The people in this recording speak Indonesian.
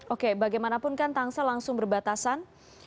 oke bagaimanapun kan tangsa langsung berbatasan